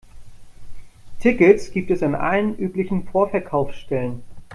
Tickets gibt es an allen üblichen Vorverkaufsstellen.